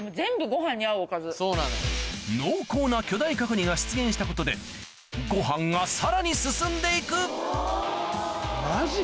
濃厚な巨大角煮が出現したことでご飯がさらに進んで行くマジ？